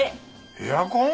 エアコン？